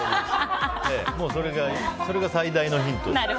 それが最大のヒント。